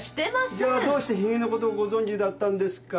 じゃあどうしてひげのことをご存じだったんですか？